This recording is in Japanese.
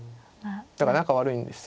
だから仲悪いんですよ。